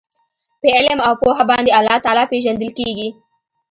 په علم او پوهه باندي الله تعالی پېژندل کیږي